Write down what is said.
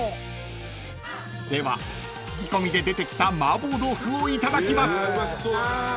では聞き込みで出てきた麻婆豆腐をいただきます］